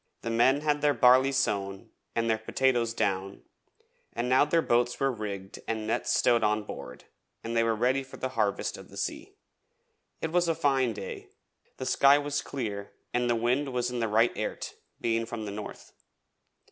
The men had their barley sown, and their potatoes down, and now their boats were rigged and nets stowed on board and they were ready for the harvest of the sea. It was a fine day, the sky was clear and the wind was in the right airt, being from the north.